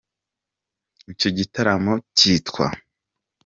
Icyo gitaramo kitwa